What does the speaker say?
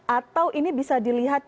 atau ini bisa dilihat